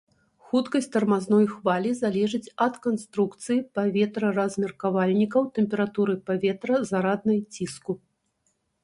Хуткасць тармазной хвалі залежыць ад канструкцыі паветраразмеркавальнікаў, тэмпературы паветра, зараднай ціску.